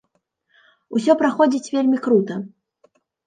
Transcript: Усё праходзіць вельмі крута.